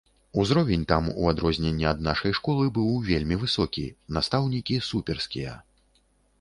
Узровень там, у адрозненне ад нашай школы, быў вельмі высокі, настаўнікі суперскія.